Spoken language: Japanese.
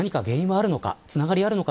何か、つながりがあるのか。